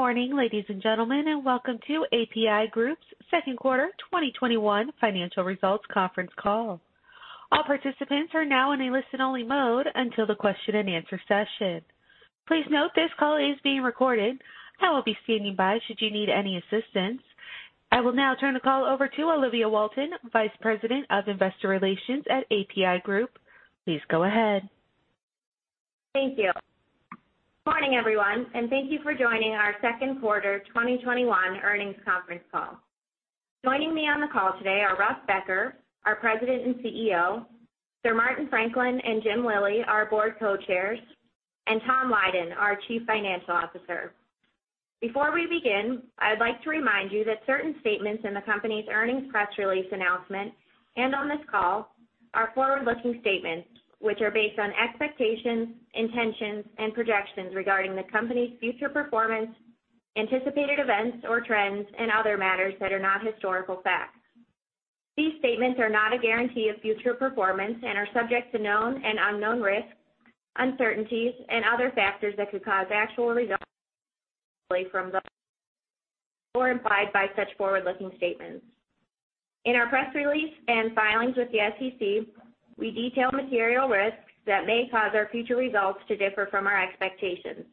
Good morning, ladies and gentlemen, and welcome to APi Group's second quarter 2021 financial results conference call. All participants are now in a listen-only mode until the question and answer session. Please note this call is being recorded. I will be standing by should you need any assistance. I will now turn the call over to Olivia Walton, Vice President of Investor Relations at APi Group. Please go ahead. Thank you. Morning, everyone, and thank you for joining our second quarter 2021 earnings conference call. Joining me on the call today are Russ Becker, our President and CEO, Sir Martin Franklin and Jim Lillie, our Board co-chairs, and Tom Lydon, our Chief Financial Officer. Before we begin, I'd like to remind you that certain statements in the company's earnings press release announcement and on this call are forward-looking statements, which are based on expectations, intentions, and projections regarding the company's future performance, anticipated events or trends, and other matters that are not historical facts. These statements are not a guarantee of future performance and are subject to known and unknown risks, uncertainties, and other factors that could cause actual results to differ from those or implied by such forward-looking statements. In our press release and filings with the SEC, we detail material risks that may cause our future results to differ from our expectations.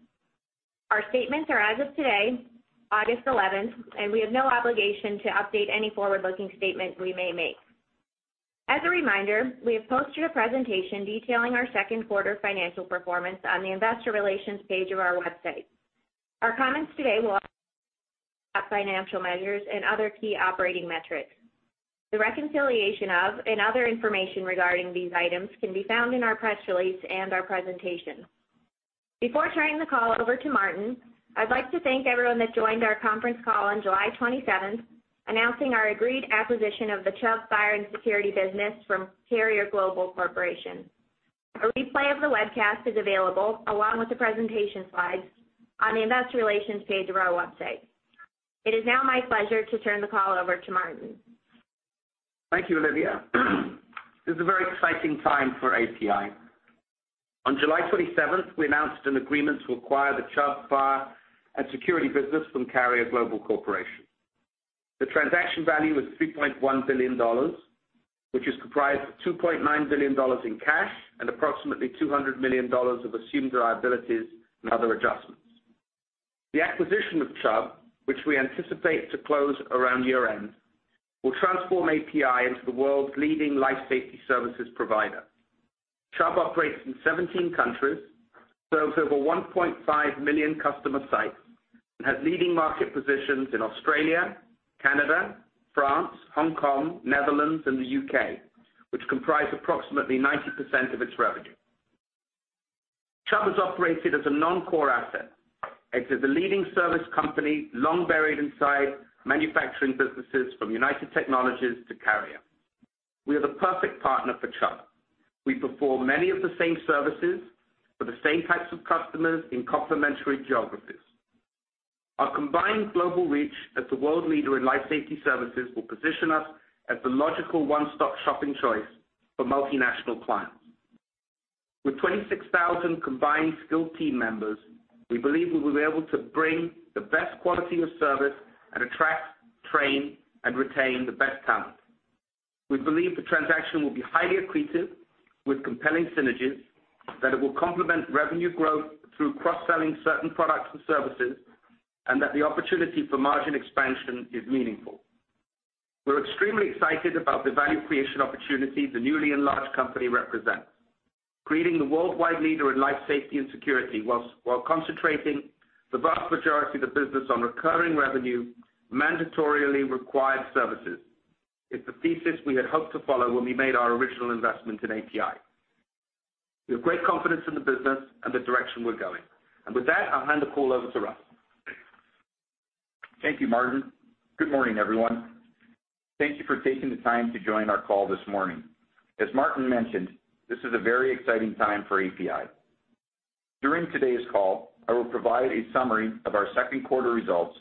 Our statements are as of today, August 11th, and we have no obligation to update any forward-looking statement we may make. As a reminder, we have posted a presentation detailing our second quarter financial performance on the investor relations page of our website. Our comments today will financial measures and other key operating metrics. The reconciliation of, and other information regarding these items can be found in our press release and our presentation. Before turning the call over to Martin, I'd like to thank everyone that joined our conference call on July 27th, announcing our agreed acquisition of the Chubb Fire & Security business from Carrier Global Corporation. A replay of the webcast is available, along with the presentation slides, on the investor relations page of our website. It is now my pleasure to turn the call over to Martin. Thank you, Olivia. This is a very exciting time for APi. On July 27th, we announced an agreement to acquire the Chubb Fire & Security business from Carrier Global Corporation. The transaction value is $3.1 billion, which is comprised of $2.9 billion in cash and approximately $200 million of assumed liabilities and other adjustments. The acquisition of Chubb, which we anticipate to close around year-end, will transform APi into the world's leading Life Safety services provider. Chubb operates in 17 countries, serves over 1.5 million customer sites, and has leading market positions in Australia, Canada, France, Hong Kong, Netherlands, and the U.K., which comprise approximately 90% of its revenue. Chubb has operated as a non-core asset. It is a leading service company, long buried inside manufacturing businesses from United Technologies to Carrier. We are the perfect partner for Chubb. We perform many of the same services for the same types of customers in complementary geographies. Our combined global reach as the world leader in life safety services will position us as the logical one-stop shopping choice for multinational clients. With 26,000 combined skilled team members, we believe we will be able to bring the best quality of service and attract, train, and retain the best talent. We believe the transaction will be highly accretive with compelling synergies, that it will complement revenue growth through cross-selling certain products and services, and that the opportunity for margin expansion is meaningful. We're extremely excited about the value creation opportunity the newly enlarged company represents. Creating the worldwide leader in Life Safety and security, while concentrating the vast majority of the business on recurring revenue, mandatorily required services, is the thesis we had hoped to follow when we made our original investment in APi. We have great confidence in the business and the direction we're going. With that, I'll hand the call over to Russ. Thank you, Martin. Good morning, everyone. Thank you for taking the time to join our call this morning. As Martin mentioned, this is a very exciting time for APi. During today's call, I will provide a summary of our second quarter results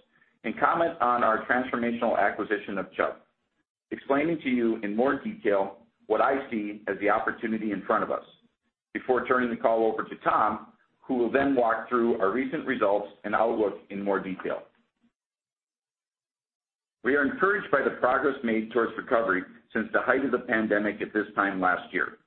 and comment on our transformational acquisition of Chubb, explaining to you in more detail what I see as the opportunity in front of us before turning the call over to Tom, who will then walk through our recent results and outlook in more detail. We are encouraged by the progress made towards recovery since the height of the pandemic at this time last year.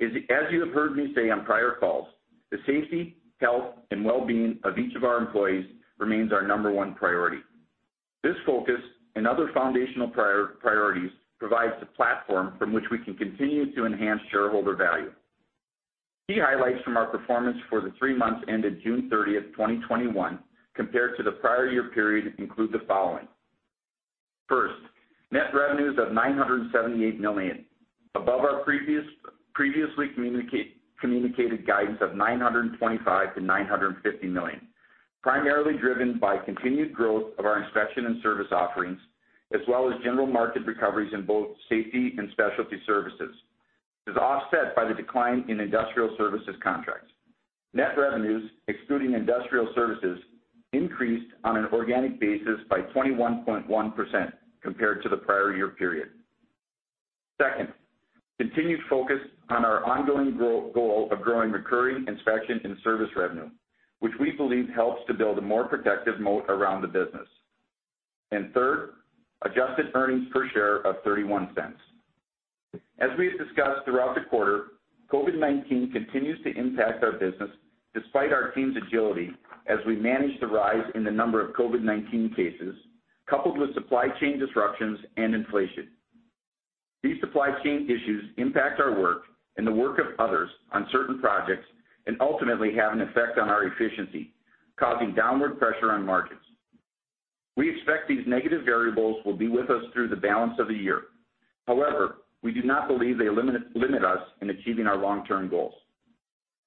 As you have heard me say on prior calls, the safety, health, and well-being of each of our employees remains our number one priority. This focus and other foundational priorities provides the platform from which we can continue to enhance shareholder value. Key highlights from our performance for the three months ended June 30th, 2021 compared to the prior year period include the following. First, net revenues of $978 million, above our previously communicated guidance of $925 million-$950 million, primarily driven by continued growth of our inspection and service offerings, as well as general market recoveries in both Safety Services and Specialty Services. It is offset by the decline in Industrial Services contracts. Net revenues, excluding Industrial Services, increased on an organic basis by 21.1% compared to the prior year period. Second, continued focus on our ongoing goal of growing recurring inspection and service revenue, which we believe helps to build a more protective moat around the business. Third, adjusted earnings per share of $0.31. As we have discussed throughout the quarter, COVID-19 continues to impact our business despite our team's agility as we manage the rise in the number of COVID-19 cases, coupled with supply chain disruptions and inflation. Ultimately have an effect on our efficiency, causing downward pressure on markets. We expect these negative variables will be with us through the balance of the year. We do not believe they limit us in achieving our long-term goals.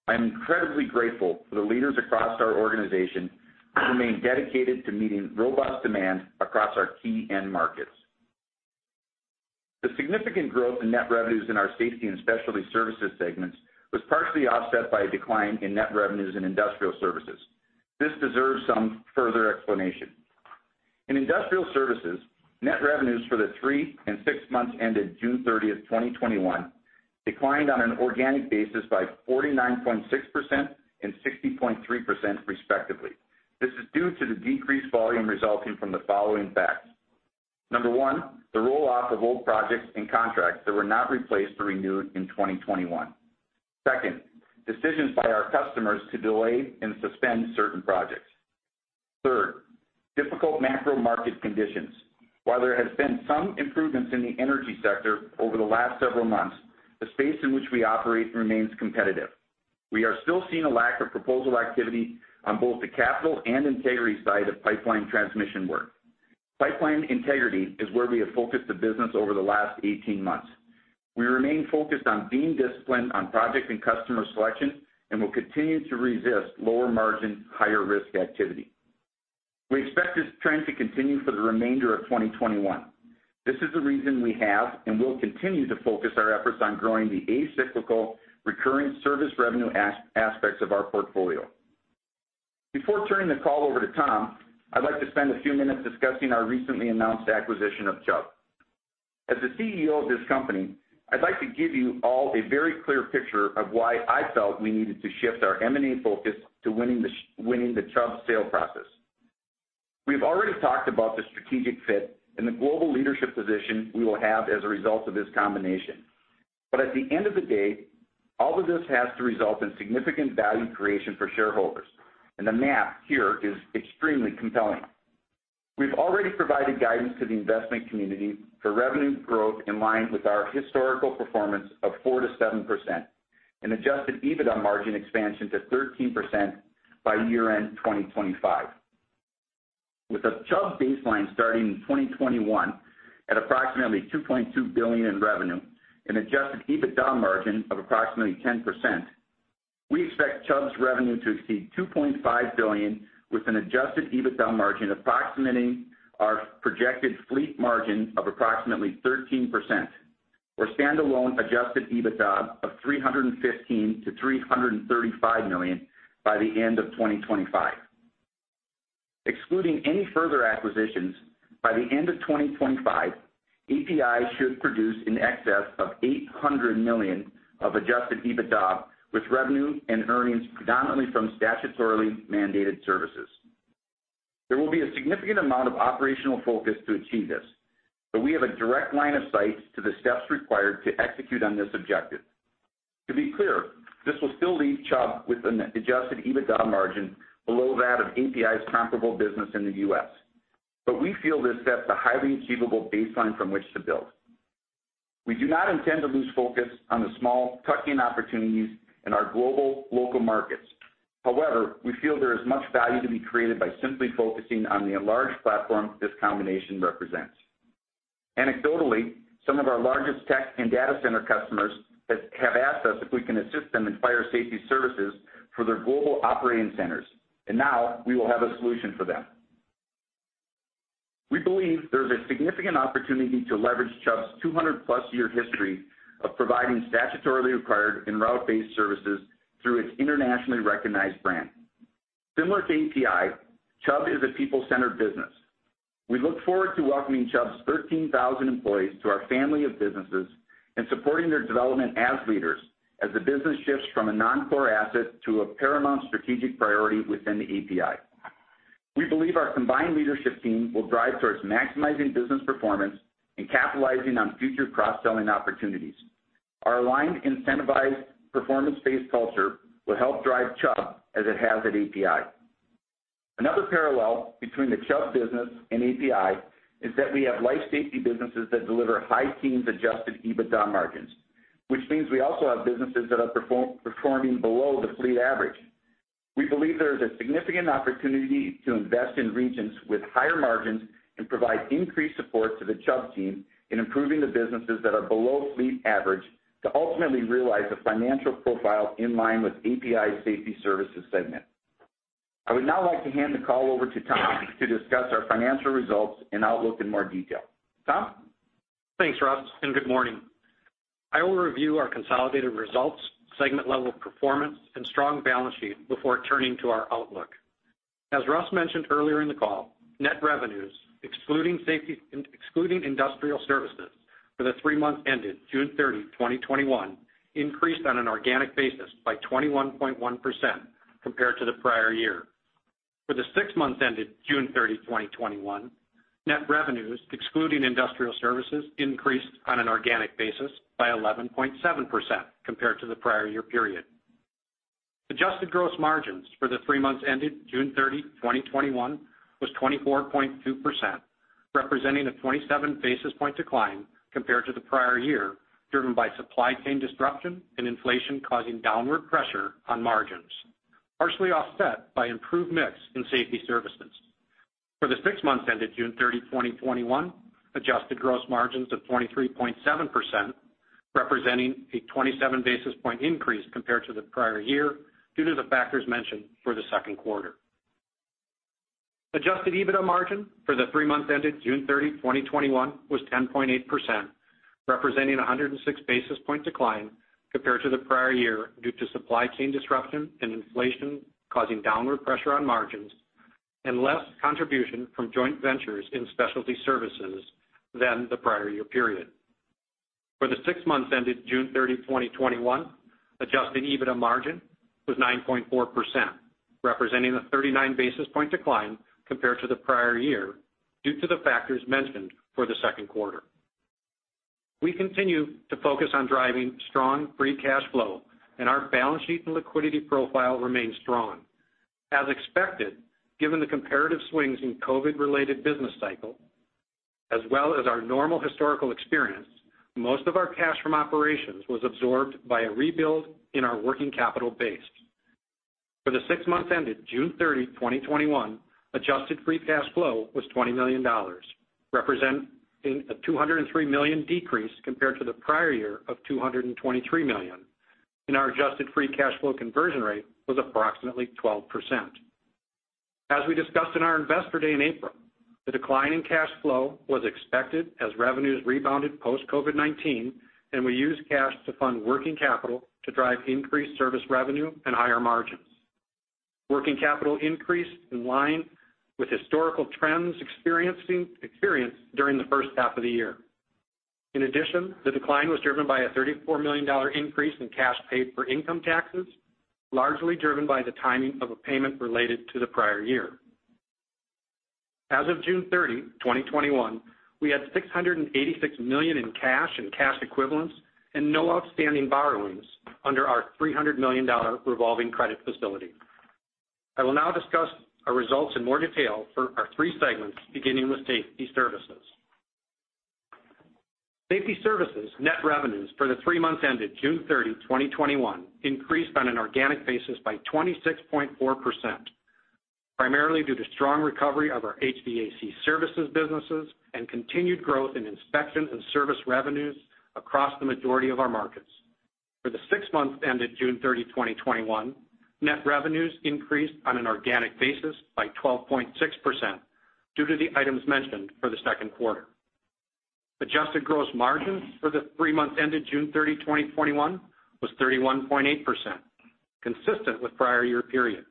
I am incredibly grateful for the leaders across our organization who remain dedicated to meeting robust demand across our key end markets. The significant growth in net revenues in our Safety Services and Specialty Services segments was partially offset by a decline in net revenues in Industrial Services. This deserves some further explanation. In Industrial Services, net revenues for the three and six months ended June 30th, 2021, declined on an organic basis by 49.6% and 60.3% respectively. This is due to the decreased volume resulting from the following facts. Number one, the roll-off of old projects and contracts that were not replaced or renewed in 2021. Second, decisions by our customers to delay and suspend certain projects. Third, difficult macro-market conditions. While there has been some improvements in the energy sector over the last several months, the space in which we operate remains competitive. We are still seeing a lack of proposal activity on both the capital and integrity side of pipeline transmission work. Pipeline integrity is where we have focused the business over the last 18 months. We remain focused on being disciplined on project and customer selection and will continue to resist lower margin, higher risk activity. We expect this trend to continue for the remainder of 2021. This is the reason we have, and will continue, to focus our efforts on growing the acyclical recurring service revenue aspects of our portfolio. Before turning the call over to Tom, I'd like to spend a few minutes discussing our recently announced acquisition of Chubb. As the CEO of this company, I'd like to give you all a very clear picture of why I felt we needed to shift our M&A focus to winning the Chubb sale process. We've already talked about the strategic fit and the global leadership position we will have as a result of this combination. At the end of the day, all of this has to result in significant value creation for shareholders, and the math here is extremely compelling. We've already provided guidance to the investment community for revenue growth in line with our historical performance of 4%-7%, an adjusted EBITDA margin expansion to 13% by year-end 2025. With a Chubb baseline starting in 2021 at approximately $2.2 billion in revenue and adjusted EBITDA margin of approximately 10%, we expect Chubb's revenue to exceed $2.5 billion with an adjusted EBITDA margin approximating our projected fleet margin of approximately 13%, or standalone adjusted EBITDA of $315 million-$335 million by the end of 2025. Excluding any further acquisitions, by the end of 2025, APi should produce in excess of $800 million of adjusted EBITDA with revenue and earnings predominantly from statutorily mandated services. There will be a significant amount of operational focus to achieve this, but we have a direct line of sight to the steps required to execute on this objective. To be clear, this will still leave Chubb with an adjusted EBITDA margin below that of APi's comparable business in the U.S., but we feel this sets a highly achievable baseline from which to build. We do not intend to lose focus on the small tuck-in opportunities in our global local markets. However, we feel there is much value to be created by simply focusing on the enlarged platform this combination represents. Anecdotally, some of our largest tech and data center customers have asked us if we can assist them in fire safety services for their global operating centers, and now we will have a solution for them. We believe there is a significant opportunity to leverage Chubb's 200+ year history of providing statutorily required and route-based services through its internationally recognized brand. Similar to APi, Chubb is a people-centered business. We look forward to welcoming Chubb's 13,000 employees to our family of businesses and supporting their development as leaders as the business shifts from a non-core asset to a paramount strategic priority within APi. We believe our combined leadership team will drive towards maximizing business performance and capitalizing on future cross-selling opportunities. Our aligned, incentivized, performance-based culture will help drive Chubb as it has at APi. Another parallel between the Chubb business and APi is that we have Life Safety businesses that deliver high teens adjusted EBITDA margins, which means we also have businesses that are performing below the fleet average. We believe there is a significant opportunity to invest in regions with higher margins and provide increased support to the Chubb team in improving the businesses that are below fleet average to ultimately realize a financial profile in line with APi's safety services segment. I would now like to hand the call over to Tom to discuss our financial results and outlook in more detail. Tom? Thanks, Russ, good morning. I will review our consolidated results, segment level performance, and strong balance sheet before turning to our outlook. As Russ mentioned earlier in the call, net revenues, excluding industrial services for the three months ended June 30, 2021, increased on an organic basis by 21.1% compared to the prior year. For the six months ended June 30, 2021, net revenues, excluding industrial services, increased on an organic basis by 11.7% compared to the prior-year period. Adjusted gross margins for the three months ended June 30, 2021, was 24.2%, representing a 27 basis point decline compared to the prior-year, driven by supply chain disruption and inflation causing downward pressure on margins, partially offset by improved mix in safety services. For the six months ended June 30, 2021, adjusted gross margins of 23.7%, representing a 27 basis point increase compared to the prior year due to the factors mentioned for the second quarter. Adjusted EBITDA margin for the three months ended June 30, 2021, was 10.8%, representing a 106 basis point decline compared to the prior year, due to supply chain disruption and inflation causing downward pressure on margins and less contribution from joint ventures in specialty services than the prior year period. For the six months ended June 30, 2021, adjusted EBITDA margin was 9.4%, representing a 39 basis point decline compared to the prior year due to the factors mentioned for the second quarter. We continue to focus on driving strong free cash flow and our balance sheet and liquidity profile remains strong. As expected, given the comparative swings in COVID-19 related business cycle, as well as our normal historical experience, most of our cash from operations was absorbed by a rebuild in our working capital base. For the six months ended June 30, 2021, adjusted free cash flow was $20 million, representing a $203 million decrease compared to the prior year of $223 million, and our adjusted free cash flow conversion rate was approximately 12%. As we discussed in our investor day in April, the decline in cash flow was expected as revenues rebounded post-COVID-19, and we used cash to fund working capital to drive increased service revenue and higher margins. Working capital increased in line with historical trends experienced during the first half of the year. The decline was driven by a $34 million increase in cash paid for income taxes, largely driven by the timing of a payment related to the prior year. As of June 30, 2021, we had $686 million in cash and cash equivalents and no outstanding borrowings under our $300 million revolving credit facility. I will now discuss our results in more detail for our three segments, beginning with safety services. Safety services net revenues for the three months ended June 30, 2021, increased on an organic basis by 26.4%, primarily due to strong recovery of our HVAC services businesses and continued growth in inspection and service revenues across the majority of our markets. For the six months ended June 30, 2021, net revenues increased on an organic basis by 12.6% due to the items mentioned for the second quarter. Adjusted gross margins for the three months ended June 30, 2021, was 31.8%, consistent with prior year period.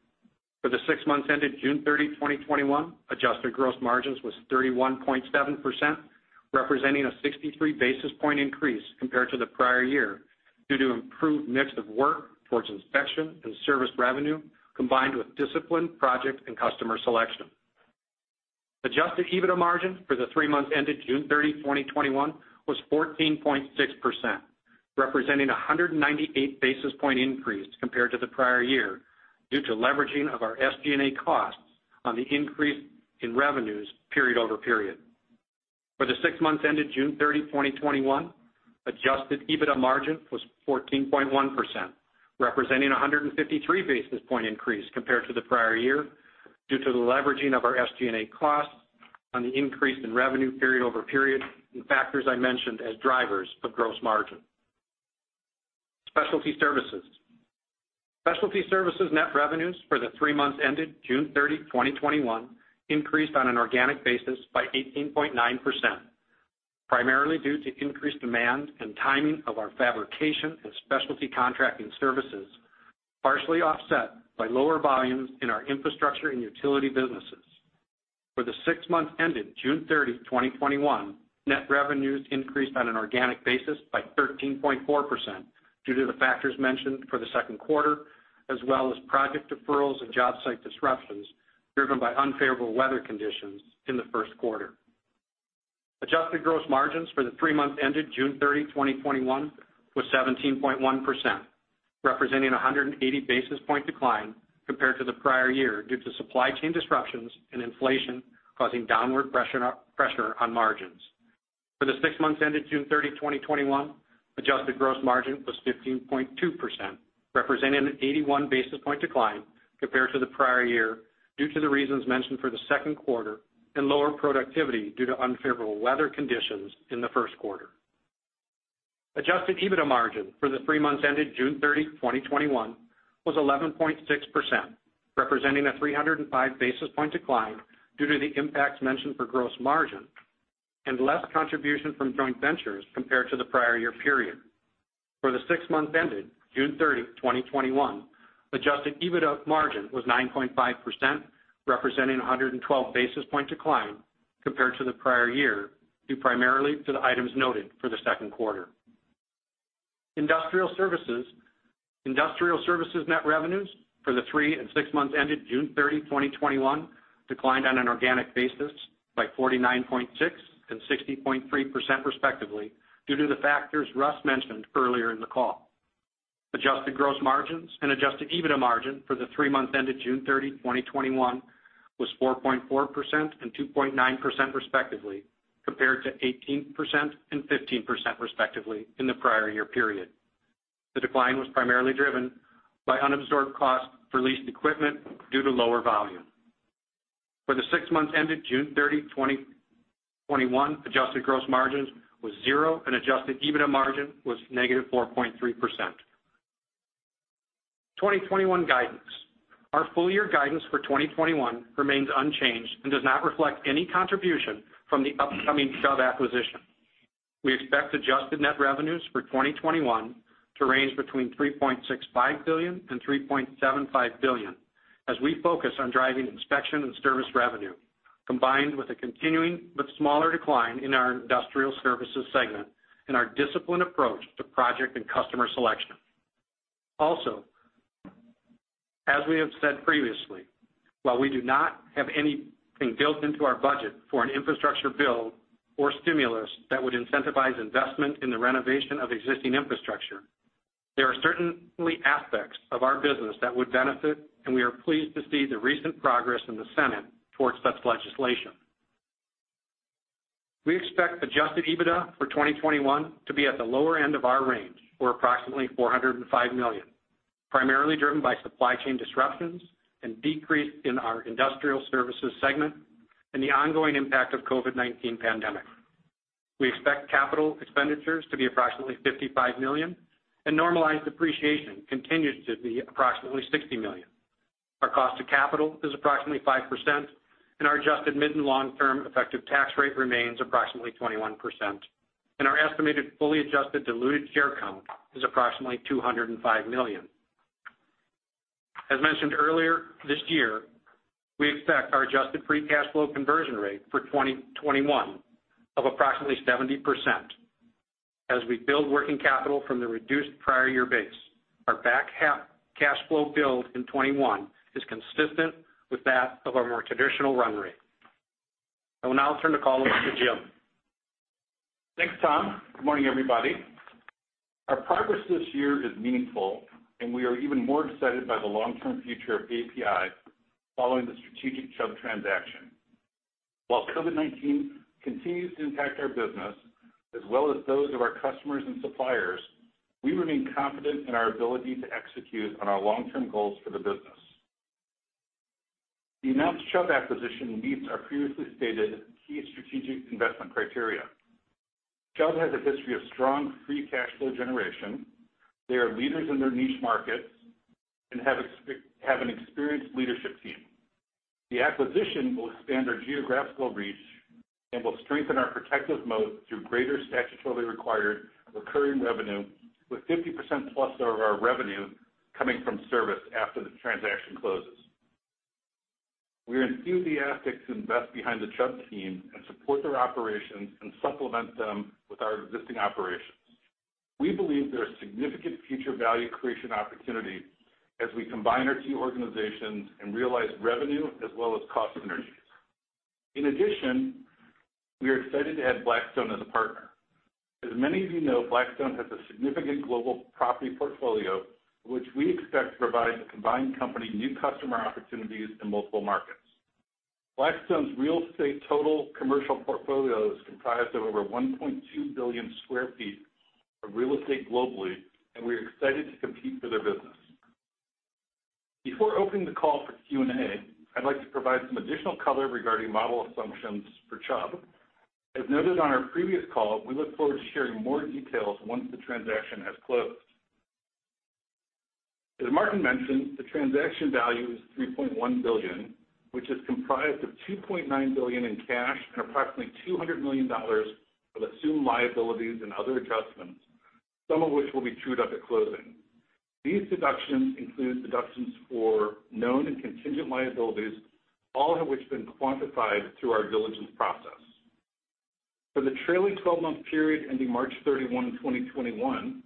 For the six months ended June 30, 2021, adjusted gross margins was 31.7%, representing a 63 basis point increase compared to the prior year due to improved mix of work towards inspection and service revenue, combined with disciplined project and customer selection. Adjusted EBITDA margin for the three months ended June 30, 2021, was 14.6%, representing 198 basis point increase compared to the prior year due to leveraging of our SG&A costs on the increase in revenues period over period. For the six months ended June 30, 2021, adjusted EBITDA margin was 14.1%, representing 153 basis point increase compared to the prior year due to the leveraging of our SG&A costs on the increase in revenue period over period and factors I mentioned as drivers of gross margin. Specialty Services. Specialty Services net revenues for the three months ended June 30, 2021, increased on an organic basis by 18.9%, primarily due to increased demand and timing of our fabrication and specialty contracting services, partially offset by lower volumes in our infrastructure and utility businesses. For the six months ended June 30, 2021, net revenues increased on an organic basis by 13.4% due to the factors mentioned for the second quarter, as well as project deferrals and job site disruptions driven by unfavorable weather conditions in the first quarter. Adjusted gross margins for the three months ended June 30, 2021, was 17.1%, representing 180 basis point decline compared to the prior year due to supply chain disruptions and inflation causing downward pressure on margins. For the six months ended June 30, 2021, adjusted gross margin was 15.2%, representing an 81 basis point decline compared to the prior year due to the reasons mentioned for the second quarter and lower productivity due to unfavorable weather conditions in the first quarter. Adjusted EBITDA margin for the three months ended June 30, 2021, was 11.6%, representing a 305 basis point decline due to the impacts mentioned for gross margin and less contribution from joint ventures compared to the prior year period. For the six months ended June 30, 2021, adjusted EBITDA margin was 9.5%, representing 112 basis point decline compared to the prior year, due primarily to the items noted for the second quarter. Industrial Services. Industrial Services net revenues for the three and six months ended June 30, 2021, declined on an organic basis by 49.6% and 60.3% respectively, due to the factors Russ mentioned earlier in the call. Adjusted gross margins and adjusted EBITDA margin for the three months ended June 30, 2021, was 4.4% and 2.9% respectively, compared to 18% and 15% respectively in the prior year period. The decline was primarily driven by unabsorbed costs for leased equipment due to lower volume. For the six months ended June 30, 2021, adjusted gross margins was zero, and adjusted EBITDA margin was -4.3%. 2021 guidance. Our full year guidance for 2021 remains unchanged and does not reflect any contribution from the upcoming Chubb acquisition. We expect adjusted net revenues for 2021 to range between $3.65 billion and $3.75 billion as we focus on driving inspection and service revenue, combined with a continuing but smaller decline in our industrial services segment and our disciplined approach to project and customer selection. Also, as we have said previously, while we do not have anything built into our budget for an infrastructure bill or stimulus that would incentivize investment in the renovation of existing infrastructure, there are certainly aspects of our business that would benefit, and we are pleased to see the recent progress in the Senate towards such legislation. We expect adjusted EBITDA for 2021 to be at the lower end of our range or approximately $405 million, primarily driven by supply chain disruptions, and decrease in our Industrial Services segment, and the ongoing impact of COVID-19 pandemic. We expect capital expenditures to be approximately $55 million and normalized depreciation continues to be approximately $60 million. Our cost of capital is approximately 5%, and our adjusted mid- and long-term effective tax rate remains approximately 21%, and our estimated fully adjusted diluted share count is approximately 205 million. As mentioned earlier this year, we expect our adjusted free cash flow conversion rate for 2021 of approximately 70%. As we build working capital from the reduced prior year base, our back cash flow build in 2021 is consistent with that of our more traditional run rate. I will now turn the call over to Jim. Thanks, Tom. Our progress this year is meaningful, and we are even more excited by the long-term future of APi following the strategic Chubb transaction. While COVID-19 continues to impact our business as well as those of our customers and suppliers, we remain confident in our ability to execute on our long-term goals for the business. The announced Chubb acquisition meets our previously stated key strategic investment criteria. Chubb has a history of strong free cash flow generation. They are leaders in their niche markets and have an experienced leadership team. The acquisition will expand our geographical reach and will strengthen our protective moat through greater statutorily required recurring revenue with 50%+ of our revenue coming from service after the transaction closes. We are enthusiastic to invest behind the Chubb team and support their operations and supplement them with our existing operations. We believe there are significant future value creation opportunities as we combine our two organizations and realize revenue as well as cost synergies. We are excited to have Blackstone as a partner. As many of you know, Blackstone has a significant global property portfolio, which we expect to provide the combined company new customer opportunities in multiple markets. Blackstone's real estate total commercial portfolio is comprised of over 1.2 billion sq ft of real estate globally, and we are excited to compete for their business. I'd like to provide some additional color regarding model assumptions for Chubb. As noted on our previous call, we look forward to sharing more details once the transaction has closed. As Martin mentioned, the transaction value is $3.1 billion, which is comprised of $2.9 billion in cash and approximately $200 million of assumed liabilities and other adjustments, some of which will be trued up at closing. These deductions include deductions for known and contingent liabilities, all of which have been quantified through our diligence process. For the trailing 12-month period ending March 31, 2021,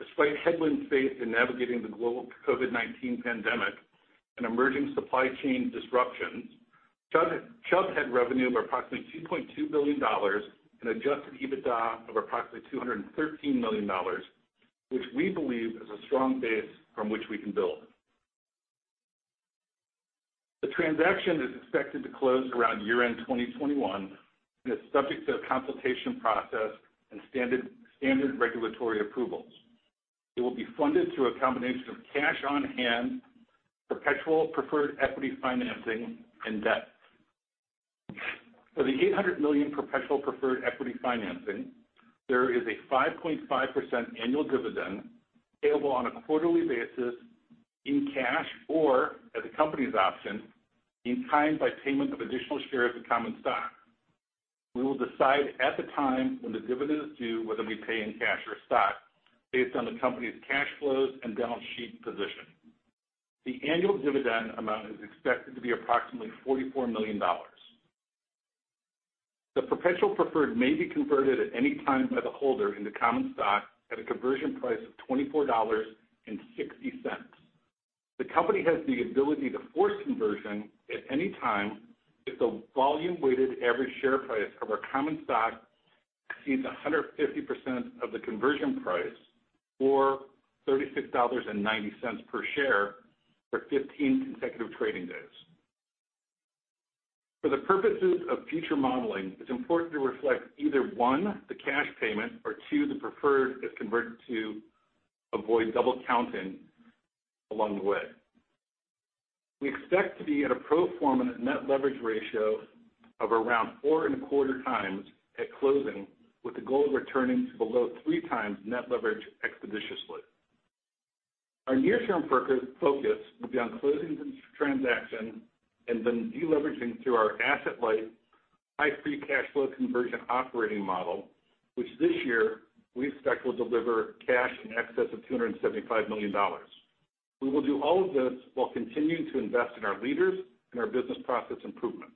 despite headwind faced in navigating the global COVID-19 pandemic and emerging supply chain disruptions, Chubb had revenue of approximately $2.2 billion and adjusted EBITDA of approximately $213 million, which we believe is a strong base from which we can build. The transaction is expected to close around year-end 2021 and is subject to a consultation process and standard regulatory approvals. It will be funded through a combination of cash on hand, perpetual preferred equity financing, and debt. For the $800 million perpetual preferred equity financing, there is a 5.5% annual dividend payable on a quarterly basis in cash or at the company's option in kind by payment of additional shares of common stock. We will decide at the time when the dividend is due whether we pay in cash or stock based on the company's cash flows and balance sheet position. The annual dividend amount is expected to be approximately $44 million. The perpetual preferred may be converted at any time by the holder into common stock at a conversion price of $24.60. The company has the ability to force conversion at any time if the volume-weighted average share price of our common stock exceeds 150% of the conversion price or $36.90 per share for 15 consecutive trading days. For the purposes of future modeling, it's important to reflect either, one, the cash payment, or two, the preferred if converted, to avoid double counting along the way. We expect to be at a pro forma net leverage ratio of around 4.25x at closing, with the goal of returning to below three times net leverage expeditiously. Our near-term focus will be on closing this transaction and then de-leveraging through our asset-light, high free cash flow conversion operating model, which this year we expect will deliver cash in excess of $275 million. We will do all of this while continuing to invest in our leaders and our business process improvements.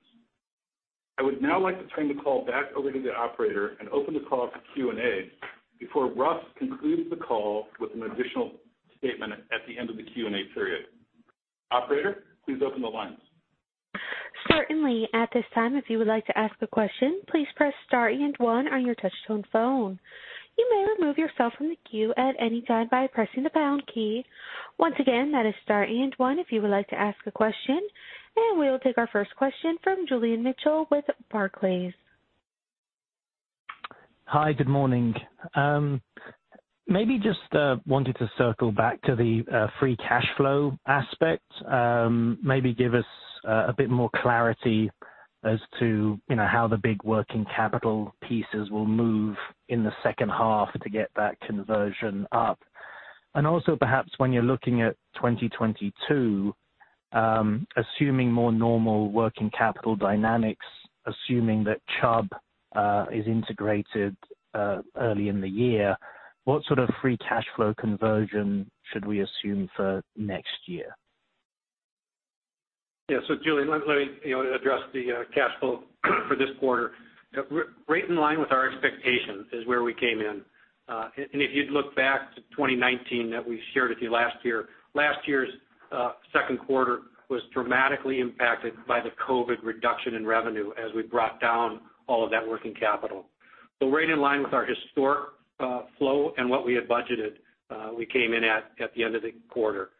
I would now like to turn the call back over to the operator and open the call up for Q&A before Russ concludes the call with an additional statement at the end of the Q&A period. Operator, please open the lines. We will take our first question from Julian Mitchell with Barclays. Hi. Good morning. Maybe just wanted to circle back to the free cash flow aspect. Maybe give us a bit more clarity as to how the big working capital pieces will move in the second half to get that conversion up. Also perhaps when you're looking at 2022, assuming more normal working capital dynamics, assuming that Chubb is integrated early in the year, what sort of free cash flow conversion should we assume for next year? Julian, let me address the cash flow for this quarter. Right in line with our expectations is where we came in. If you'd look back to 2019 that we shared with you last year, last year's second quarter was dramatically impacted by the COVID reduction in revenue as we brought down all of that working capital. Right in line with our historic flow and what we had budgeted, we came in at the end of the quarter.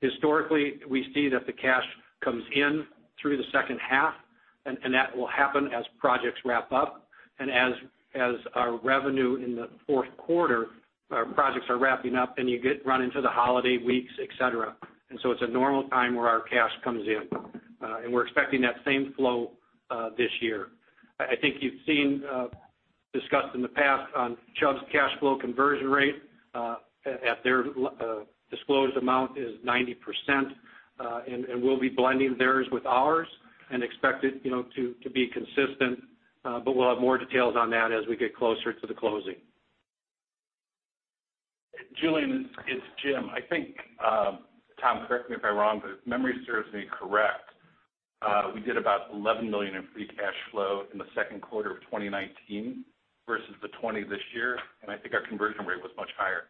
Historically, we see that the cash comes in through the second half, and that will happen as projects wrap up and as our revenue in the fourth quarter, our projects are wrapping up and you run into the holiday weeks, et cetera. It's a normal time where our cash comes in. We're expecting that same flow this year. I think you've seen discussed in the past on Chubb's cash flow conversion rate at their disclosed amount is 90%, and we'll be blending theirs with ours and expect it to be consistent. We'll have more details on that as we get closer to the closing. Julian, it's Jim. I think, Tom, correct me if I'm wrong, if memory serves me correct, we did about $11 million in free cash flow in the second quarter of 2019 versus the $20 million this year, I think our conversion rate was much higher.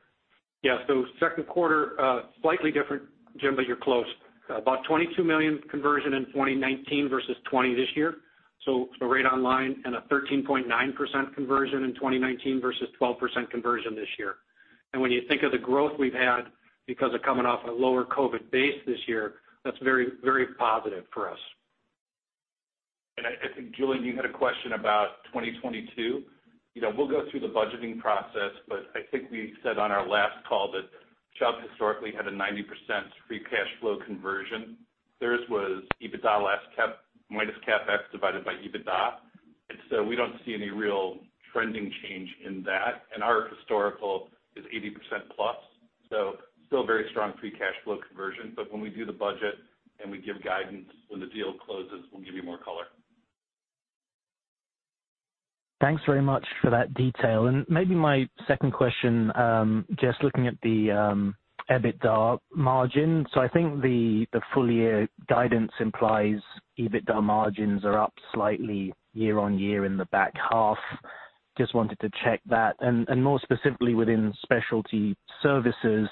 Yeah. Second quarter, slightly different, Jim Lillie, but you're close. About $22 million conversion in 2019 versus 2020 this year, so we're right on line, and a 13.9% conversion in 2019 versus 12% conversion this year. When you think of the growth we've had because of coming off a lower COVID-19 base this year, that's very positive for us. I think, Julian, you had a question about 2022. We'll go through the budgeting process, but I think we said on our last call that Chubb historically had a 90% free cash flow conversion. Theirs was EBITDA less minus CapEx divided by EBITDA. We don't see any real trending change in that. Our historical is 80% plus, still very strong free cash flow conversion. When we do the budget and we give guidance when the deal closes, we'll give you more color. Thanks very much for that detail. Maybe my second question, just looking at the EBITDA margin. I think the full-year guidance implies EBITDA margins are up slightly year-on-year in the back half. Just wanted to check that. More specifically within specialty services,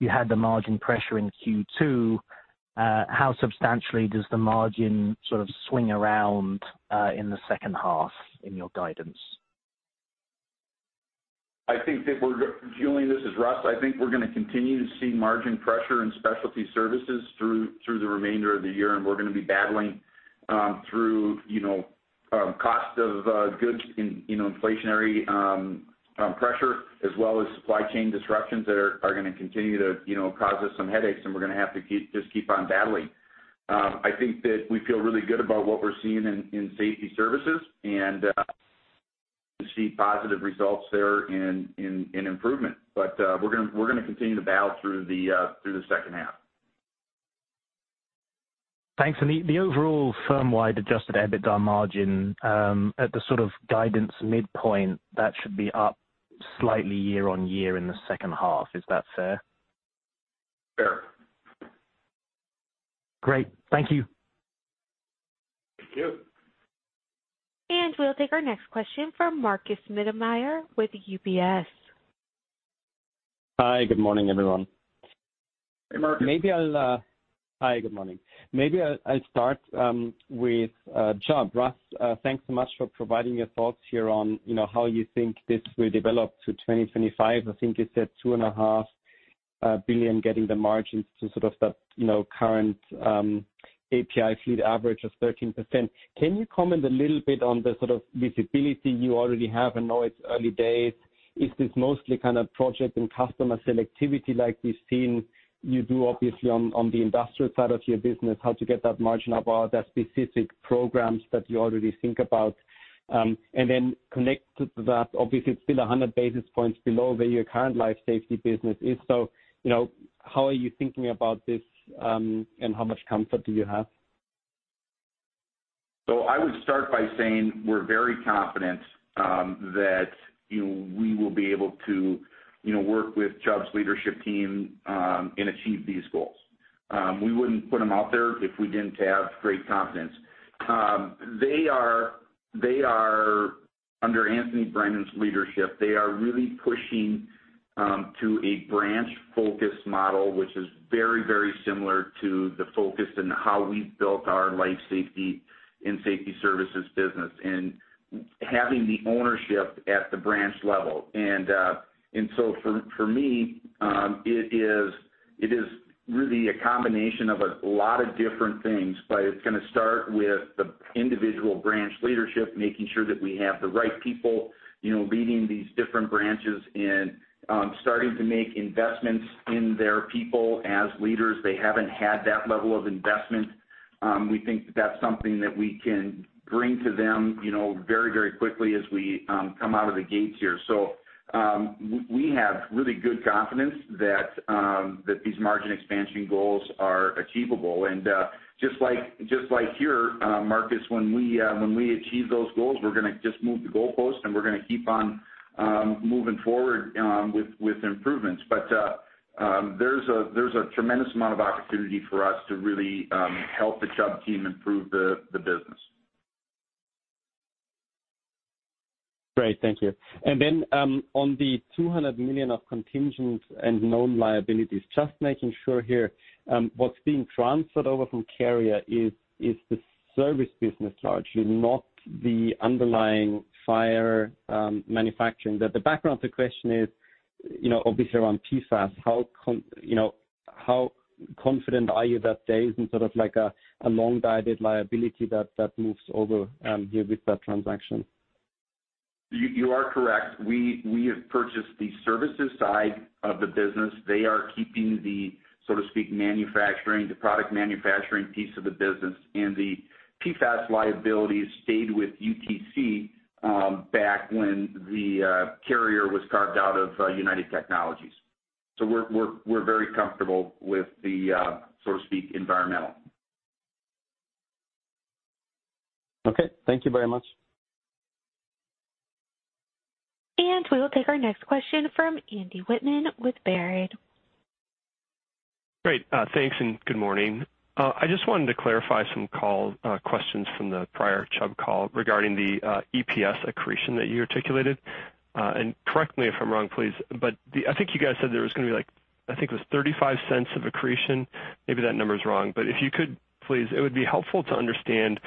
you had the margin pressure in Q2. How substantially does the margin sort of swing around in the second half in your guidance? Julian, this is Russ. I think we're going to continue to see margin pressure in specialty services through the remainder of the year, and we're going to be battling through cost of goods inflationary pressure, as well as supply chain disruptions that are going to continue to cause us some headaches, and we're going to have to just keep on battling. I think that we feel really good about what we're seeing in safety services and to see positive results there and improvement. We're going to continue to battle through the second half. Thanks. The overall firm-wide adjusted EBITDA margin at the sort of guidance midpoint, that should be up slightly year-on-year in the second half. Is that fair? Fair. Great. Thank you. Thank you. We'll take our next question from Markus Mittermaier with UBS. Hi, good morning, everyone. Hey, Markus. Hi, good morning. Maybe I'll start with Chubb. Russ, thanks so much for providing your thoughts here on how you think this will develop to 2025. I think you said $2.5 billion, getting the margins to sort of that current APi fleet average of 13%. Can you comment a little bit on the sort of visibility you already have? I know it's early days. Is this mostly kind of project and customer selectivity like we've seen you do obviously on the industrial side of your business, how to get that margin up or are there specific programs that you already think about? Then connect to that, obviously it's still 100 basis points below where your current life safety business is. How are you thinking about this, and how much comfort do you have? I would start by saying we're very confident that we will be able to work with Chubb's leadership team, and achieve these goals. We wouldn't put them out there if we didn't have great confidence. Under Anthony Brannan's leadership, they are really pushing to a branch-focused model, which is very similar to the focus and how we've built our life safety and safety services business, and having the ownership at the branch level. For me, it is really a combination of a lot of different things, but it's going to start with the individual branch leadership, making sure that we have the right people leading these different branches and starting to make investments in their people as leaders. They haven't had that level of investment. We think that that's something that we can bring to them very quickly as we come out of the gates here. We have really good confidence that these margin expansion goals are achievable. Just like here, Markus, when we achieve those goals, we're going to just move the goalposts, and we're going to keep on moving forward with improvements. There's a tremendous amount of opportunity for us to really help the Chubb team improve the business. Great. Thank you. On the $200 million of contingent and known liabilities, just making sure here, what's being transferred over from Carrier is the service business largely, not the underlying fire manufacturing. The background of the question is obviously around PFAS. How confident are you that there isn't sort of like a long-dated liability that moves over here with that transaction? You are correct. We have purchased the services side of the business. They are keeping the, so to speak, manufacturing, the product manufacturing piece of the business, and the PFAS liabilities stayed with UTC back when the Carrier was carved out of United Technologies. We're very comfortable with the, so to speak, environmental. Okay. Thank you very much. We will take our next question from Andy Wittmann with Baird. Great. Thanks, good morning. I just wanted to clarify some questions from the prior Chubb call regarding the EPS accretion that you articulated. Correct me if I'm wrong, please, but I think you guys said there was going to be like, I think it was $0.35 of accretion. Maybe that number's wrong, but if you could, please, it would be helpful to understand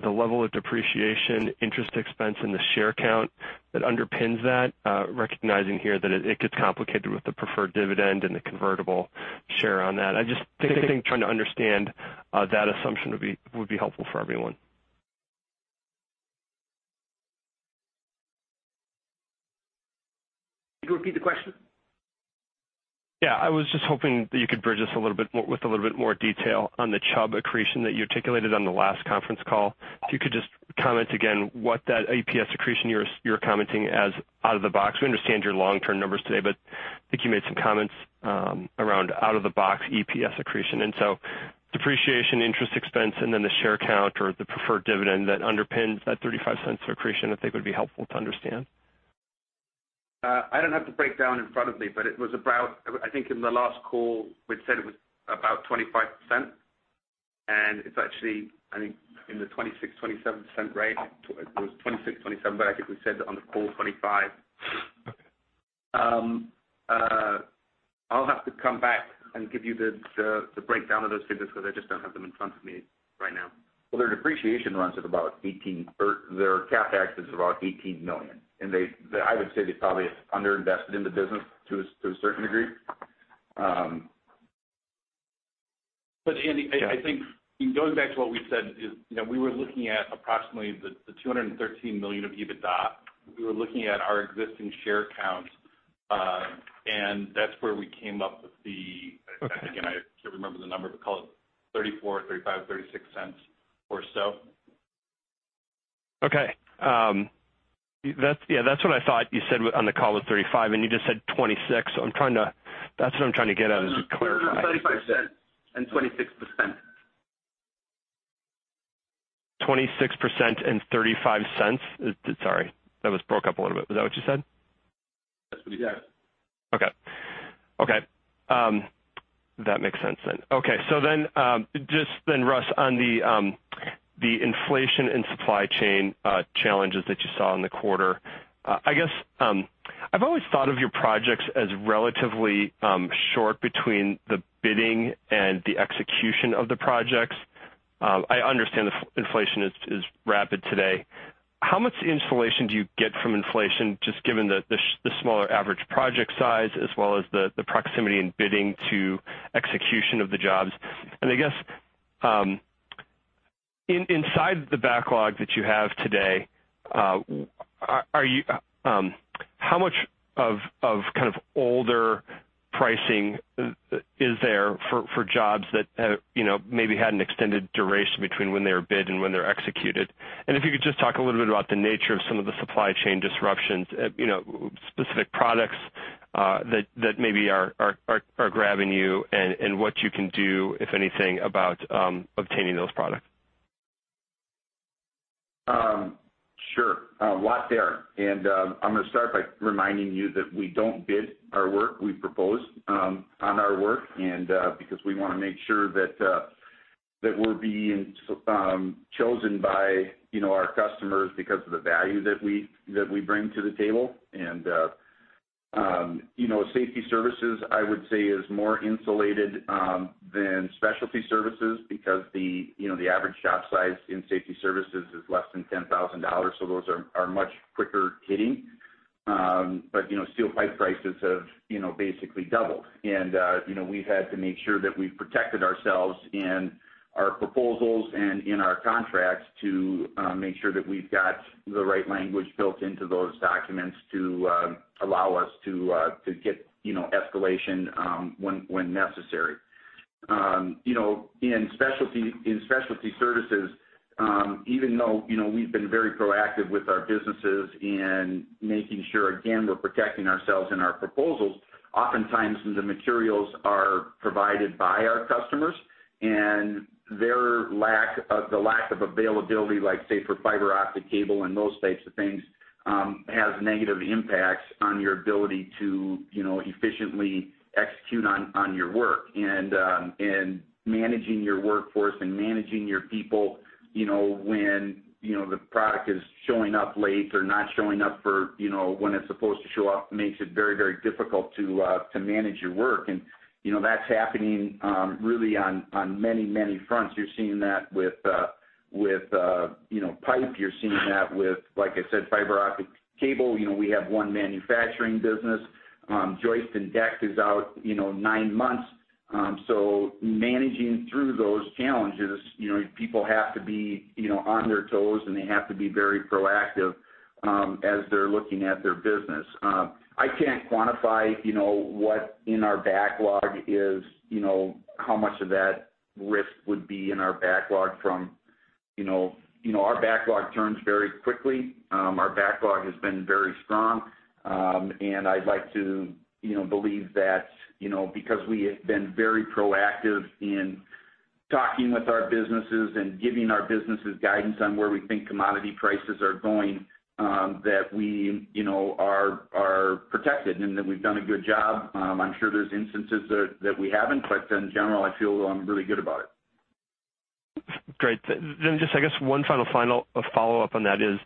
the level of depreciation, interest expense in the share count that underpins that, recognizing here that it gets complicated with the preferred dividend and the convertible share on that. I just think trying to understand that assumption would be helpful for everyone. Could you repeat the question? I was just hoping that you could bridge us with a little bit more detail on the Chubb accretion that you articulated on the last conference call. If you could just comment again what that EPS accretion you were commenting as out of the box. We understand your long-term numbers today, but I think you made some comments around out of the box EPS accretion, and so depreciation, interest expense, and then the share count or the preferred dividend that underpins that $0.35 accretion, I think would be helpful to understand. I don't have the breakdown in front of me, but it was about, I think in the last call, we'd said it was about 25%, and it's actually, I think in the 26%, 27% range. It was 26%, 27%, but I think we said on the call 25%. Okay. I'll have to come back and give you the breakdown of those figures because I just don't have them in front of me right now. Well, their depreciation runs at about $18, or their CapEx is about $18 million. I would say they probably have under-invested in the business to a certain degree. Andy Wittmann, I think going back to what we said is, we were looking at approximately the $213 million of EBITDA. We were looking at our existing share count, and that's where we came up with the, again, I can't remember the number, but call it $0.34, $0.35, $0.36 or so Okay. Yeah, that's what I thought you said on the call was 35, and you just said 26. That's what I'm trying to get at, is just clarify. $0.35 and 26%. 26% and $0.35? Sorry, that was broke up a little bit. Was that what you said? That's what, yes. That makes sense. Just Russ, on the inflation and supply chain challenges that you saw in the quarter. I guess, I've always thought of your projects as relatively short between the bidding and the execution of the projects. I understand inflation is rapid today. How much insulation do you get from inflation, just given the smaller average project size as well as the proximity in bidding to execution of the jobs? I guess, inside the backlog that you have today, how much of kind of older pricing is there for jobs that maybe had an extended duration between when they were bid and when they're executed? If you could just talk a little bit about the nature of some of the supply chain disruptions, specific products that maybe are grabbing you and what you can do, if anything, about obtaining those products. Sure. A lot there. I'm going to start by reminding you that we don't bid our work. We propose on our work, and because we want to make sure that we're being chosen by our customers because of the value that we bring to the table. Safety services, I would say, is more insulated than specialty services because the average job size in safety services is less than $10,000, so those are much quicker hitting. Steel pipe prices have basically doubled. We've had to make sure that we've protected ourselves in our proposals and in our contracts to make sure that we've got the right language built into those documents to allow us to get escalation when necessary. In specialty services, even though we've been very proactive with our businesses in making sure, again, we're protecting ourselves in our proposals, oftentimes the materials are provided by our customers, the lack of availability, say, for fiber optic cable and those types of things, has negative impacts on your ability to efficiently execute on your work. Managing your workforce and managing your people, when the product is showing up late or not showing up for when it's supposed to show up, makes it very difficult to manage your work. That's happening really on many fronts. You're seeing that with pipe. You're seeing that with, like I said, fiber optic cable. We have one manufacturing business. Joist and deck is out nine months. Managing through those challenges, people have to be on their toes, and they have to be very proactive as they're looking at their business. I can't quantify what in our backlog is, how much of that risk would be in our backlog. Our backlog turns very quickly. Our backlog has been very strong. I'd like to believe that because we have been very proactive in talking with our businesses and giving our businesses guidance on where we think commodity prices are going, that we are protected and that we've done a good job. I'm sure there's instances that we haven't, but in general, I feel I'm really good about it. Great. Just, I guess one final follow-up on that is,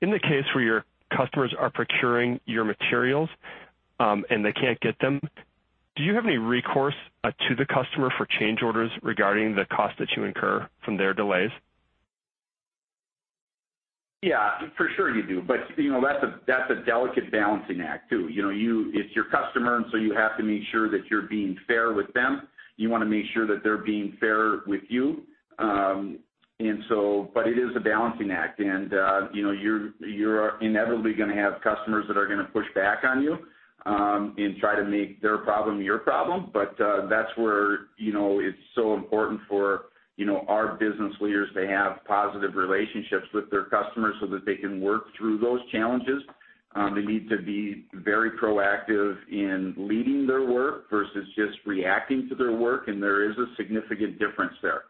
in the case where your customers are procuring your materials and they can't get them, do you have any recourse to the customer for change orders regarding the cost that you incur from their delays? Yeah, for sure you do. That's a delicate balancing act, too. It's your customer, so you have to make sure that you're being fair with them. You want to make sure that they're being fair with you. It is a balancing act. You're inevitably going to have customers that are going to push back on you and try to make their problem your problem. That's where it's so important for our business leaders to have positive relationships with their customers so that they can work through those challenges. They need to be very proactive in leading their work versus just reacting to their work. There is a significant difference there.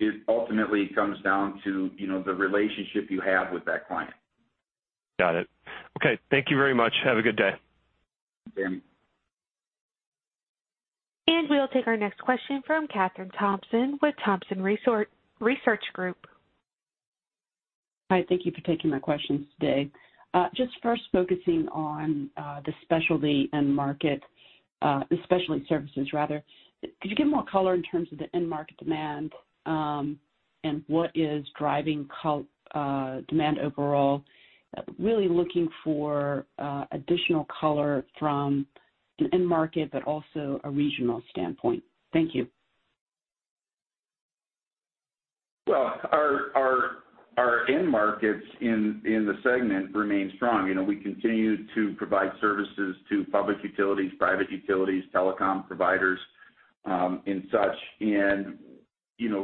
It ultimately comes down to the relationship you have with that client. Got it. Okay. Thank you very much. Have a good day. You too. We'll take our next question from Kathryn Thompson with Thompson Research Group. Hi. Thank you for taking my questions today. First focusing on the specialty end market, specialty services, rather. Could you give more color in terms of the end market demand, and what is driving demand overall? Really looking for additional color from an end market, but also a regional standpoint. Thank you. Well, our end markets in the segment remain strong. We continue to provide services to public utilities, private utilities, telecom providers, and such.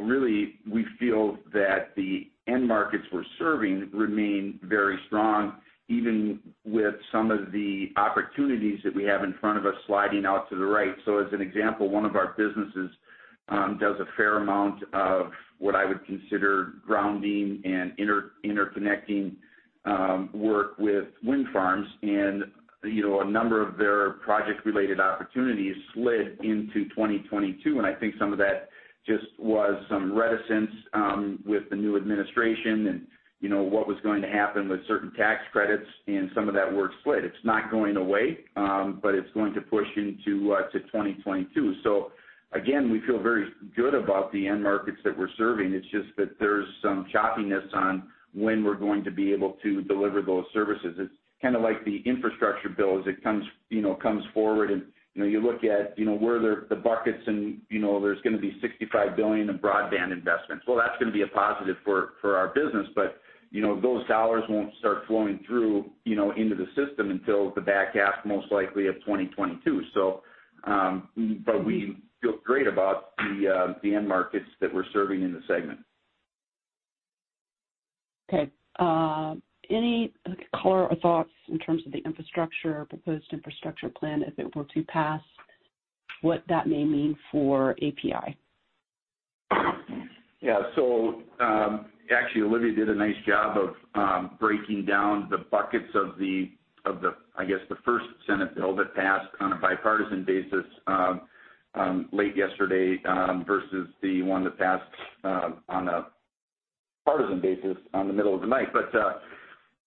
Really, we feel that the end markets we're serving remain very strong, even with some of the opportunities that we have in front of us sliding out to the right. As an example, one of our businesses does a fair amount of what I would consider grounding and interconnecting work with wind farms. A number of their project-related opportunities slid into 2022, and I think some of that just was some reticence with the new administration and what was going to happen with certain tax credits, and some of that work slid. It's not going away, but it's going to push into 2022. Again, we feel very good about the end markets that we're serving. It's just that there's some choppiness on when we're going to be able to deliver those services. It's kind of like the infrastructure bill. As it comes forward and you look at where the buckets and there's going to be $65 billion of broadband investments. Well, that's going to be a positive for our business, but those dollars won't start flowing through into the system until the back half, most likely, of 2022. We feel great about the end markets that we're serving in the segment. Okay. Any color or thoughts in terms of the proposed infrastructure plan, if it were to pass, what that may mean for APi? Yeah. Actually, Olivia did a nice job of breaking down the buckets of the, I guess, the first Senate bill that passed on a bipartisan basis late yesterday versus the one that passed on a partisan basis on the middle of the night.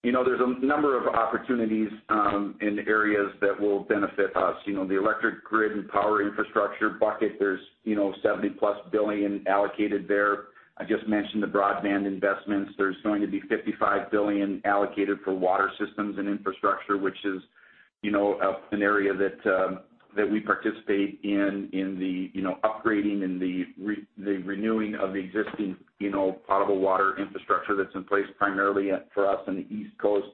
There's a number of opportunities in areas that will benefit us. The electric grid and power infrastructure bucket, there's $70+ billion allocated there. I just mentioned the broadband investments. There's going to be $55 billion allocated for water systems and infrastructure, which is an area that we participate in the upgrading and the renewing of the existing potable water infrastructure that's in place primarily for us in the East Coast.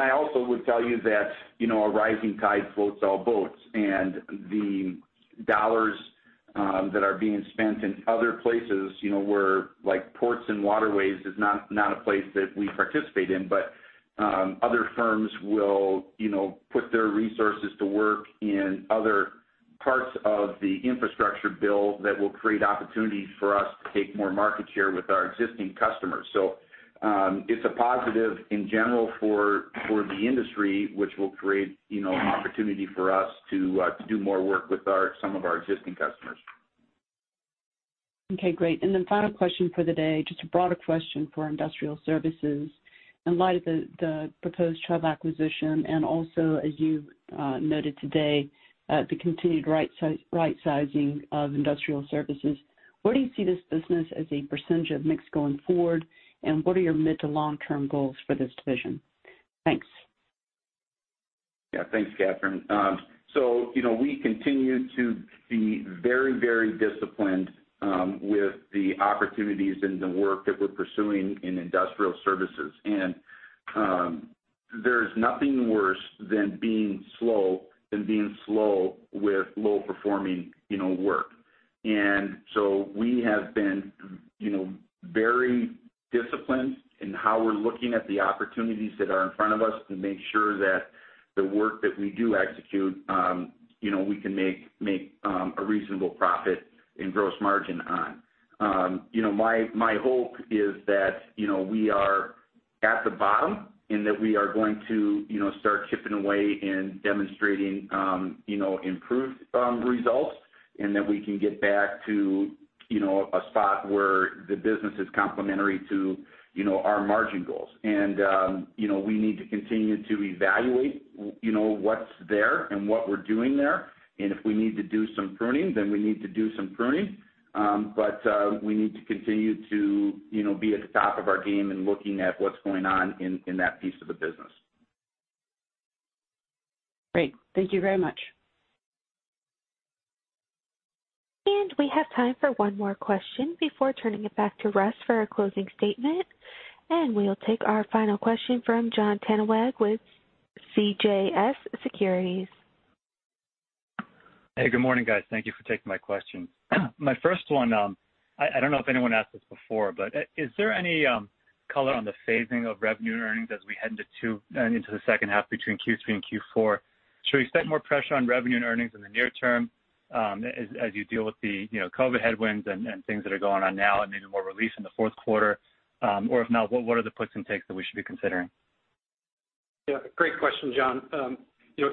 I also would tell you that a rising tide floats all boats, and the dollars that are being spent in other places where, like ports and waterways is not a place that we participate in, but other firms will put their resources to work in other parts of the infrastructure bill that will create opportunities for us to take more market share with our existing customers. It's a positive in general for the industry, which will create opportunity for us to do more work with some of our existing customers. Okay, great. Then final question for the day, just a broader question for industrial services. In light of the proposed Chubb acquisition, and also, as you noted today, the continued right sizing of industrial services, where do you see this business as a percentage of mix going forward, and what are your mid to long-term goals for this division? Thanks. Yeah. Thanks, Kathryn. We continue to be very disciplined with the opportunities and the work that we're pursuing in industrial services. There's nothing worse than being slow with low-performing work. We have been very disciplined in how we're looking at the opportunities that are in front of us to make sure that the work that we do execute, we can make a reasonable profit and gross margin on. My hope is that we are at the bottom and that we are going to start chipping away and demonstrating improved results and that we can get back to a spot where the business is complementary to our margin goals. We need to continue to evaluate what's there and what we're doing there, and if we need to do some pruning, then we need to do some pruning. We need to continue to be at the top of our game and looking at what's going on in that piece of the business. Great. Thank you very much. We have time for one more question before turning it back to Russ for our closing statement. We'll take our final question from Jon Tanwanteng with CJS Securities. Hey, good morning, guys. Thank you for taking my question. My first one, I don't know if anyone asked this before, but is there any color on the phasing of revenue and earnings as we head into the second half between Q3 and Q4? Should we expect more pressure on revenue and earnings in the near term as you deal with the COVID headwinds and things that are going on now and maybe more release in the fourth quarter? If not, what are the puts and takes that we should be considering? Great question, Jon.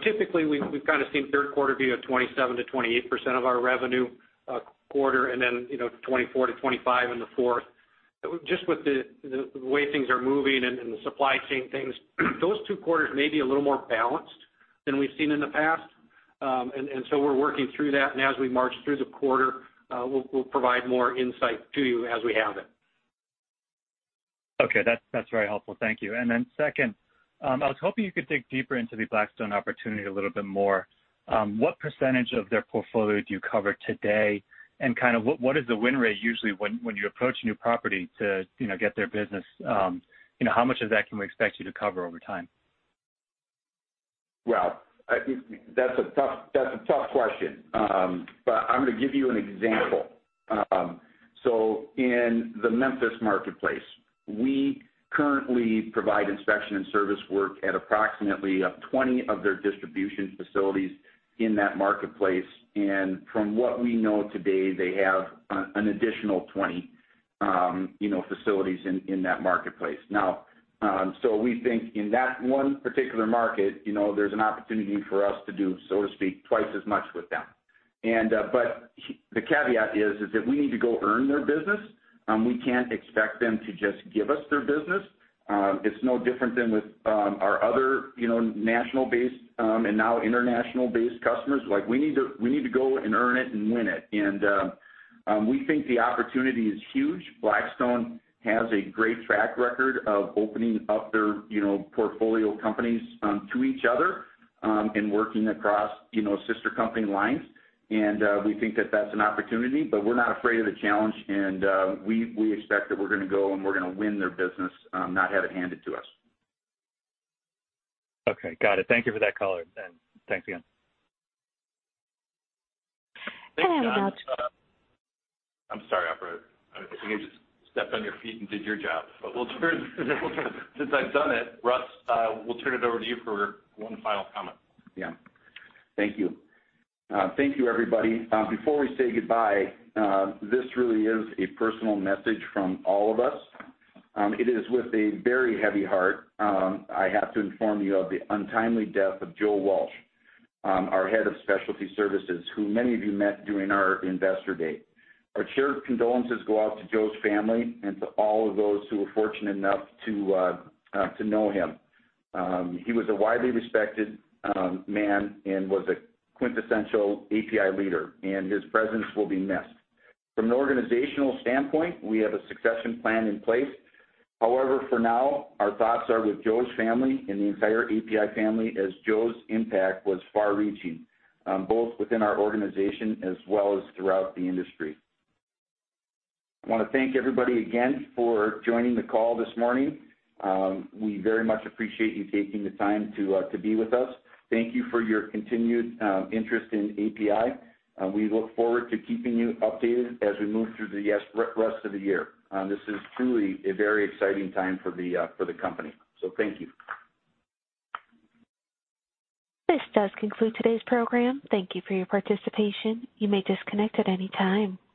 Typically, we've kind of seen third quarter be at 27%-28% of our revenue quarter and then 24%-25% in the fourth. Just with the way things are moving and the supply chain things, those two quarters may be a little more balanced than we've seen in the past. We're working through that, and as we march through the quarter, we'll provide more insight to you as we have it. Okay. That's very helpful. Thank you. Then second, I was hoping you could dig deeper into the Blackstone opportunity a little bit more. What percentage of their portfolio do you cover today? What is the win rate usually when you approach a new property to get their business? How much of that can we expect you to cover over time? I think that's a tough question. I'm going to give you an example. In the Memphis marketplace, we currently provide inspection and service work at approximately 20 of their distribution facilities in that marketplace. From what we know today, they have an additional 20 facilities in that marketplace. We think in that one particular market, there's an opportunity for us to do, so to speak, twice as much with them. The caveat is that we need to go earn their business. We can't expect them to just give us their business. It's no different than with our other national-based, and now international-based customers. We need to go and earn it and win it. We think the opportunity is huge. Blackstone has a great track record of opening up their portfolio companies to each other, and working across sister company lines. We think that that's an opportunity, but we're not afraid of the challenge. We expect that we're going to go and we're going to win their business, not have it handed to us. Okay. Got it. Thank you for that color, and thanks again. I'm sorry, Operator. I think I just stepped on your feet and did your job. Since I've done it, Russ, we'll turn it over to you for one final comment. Thank you. Thank you, everybody. Before we say goodbye, this really is a personal message from all of us. It is with a very heavy heart, I have to inform you of the untimely death of Joe Walsh, our head of specialty services, who many of you met during our investor day. Our shared condolences go out to Joe's family and to all of those who were fortunate enough to know him. He was a widely respected man and was a quintessential APi leader, and his presence will be missed. From an organizational standpoint, we have a succession plan in place. However, for now, our thoughts are with Joe's family and the entire APi family, as Joe's impact was far-reaching, both within our organization as well as throughout the industry. I want to thank everybody again for joining the call this morning. We very much appreciate you taking the time to be with us. Thank you for your continued interest in APi. We look forward to keeping you updated as we move through the rest of the year. This is truly a very exciting time for the company. Thank you. This does conclude today's program. Thank you for your participation. You may disconnect at any time.